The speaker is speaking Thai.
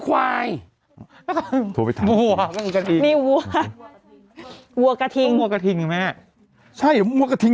ควายโทรไปถามวัวกระทิงนี่วัววัวกระทิงวัวกระทิงไหมใช่วัวกระทิง